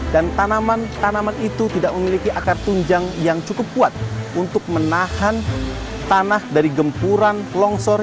dan tanaman tanaman itu tidak memiliki akar tunjang yang cukup kuat untuk menahan tanah dari gempuran longsor